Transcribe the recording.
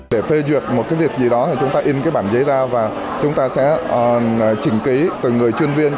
để phê duyệt một cái việc gì đó thì chúng ta in cái bản giấy ra và chúng ta sẽ chỉnh ký từ người chuyên viên